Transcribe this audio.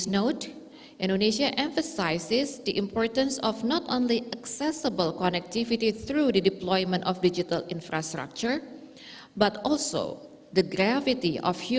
yang lebih luas ke seluruh penjuru